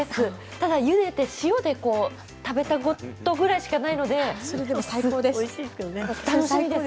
ただ、ゆでて塩で食べたことぐらいしかないので楽しみです。